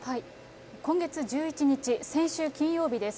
今月１１日、先週金曜日です。